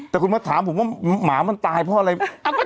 แต่คุณมาถามผมว่าหมามันตายเพราะอะไร